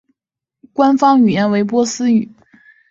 官方语言为波斯语。